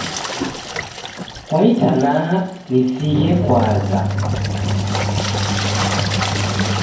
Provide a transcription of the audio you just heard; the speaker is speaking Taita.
Kwa itanaa nisighe kwaza.